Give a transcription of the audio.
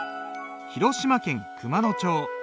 広島県熊野町。